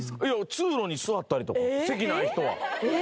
通路に座ったりとか席ない人は。えっ！？